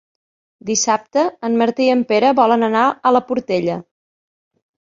Dissabte en Martí i en Pere volen anar a la Portella.